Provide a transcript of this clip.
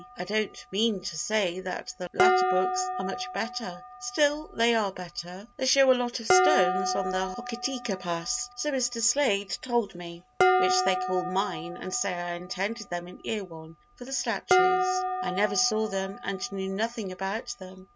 I don't mean to say that the later books are much better; still they are better. They show a lot of stones on the Hokitika pass, so Mr. Slade told me, which they call mine and say I intended them in Erewhon [for the statues]. I never saw them and knew nothing about them.